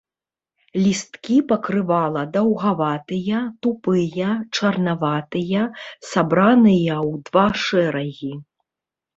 Лісткі пакрывала даўгаватыя, тупыя, чарнаватыя, сабраныя ў два шэрагі.